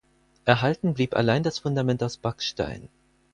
Erhalten blieb allein das Fundament aus Backstein.